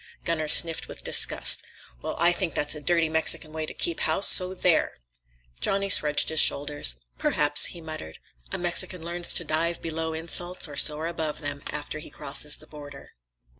Gunner sniffed with disgust. "Well, I think that's a dirty Mexican way to keep house; so there!" Johnny shrugged his shoulders. "Perhaps," he muttered. A Mexican learns to dive below insults or soar above them, after he crosses the border.